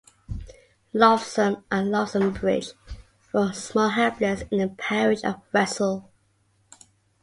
Loftsome and Loftsome Bridge were small hamlets in the parish of Wressle.